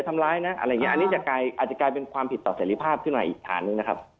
ไม่มาเดี๋ยวทำร้ายนะอันนี้อาจจะกลายเป็นความผิดต่อเสร็จภาพขึ้นมาอีกอาทิตย์หนึ่งนะครับ